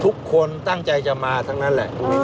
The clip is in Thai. ทุกคนตั้งใจจะมาทั้งนั้นแหละ